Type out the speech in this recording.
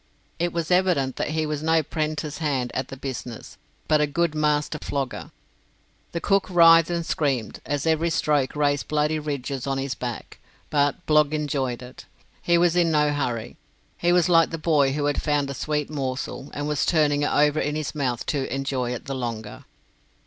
It was evident that he was no 'prentice hand at the business, but a good master flogger. The cook writhed and screamed, as every stroke raised bloody ridges on his back; but Blogg enjoyed it. He was in no hurry. He was like a boy who had found a sweet morsel, and was turning it over in his mouth to enjoy it the longer.